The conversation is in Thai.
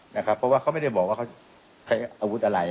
เพราะว่าเขาไม่ได้บอกว่าเขาใช้อาวุธอะไร